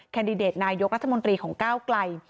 แดดิเดตนายกรัฐมนตรีของก้าวไกล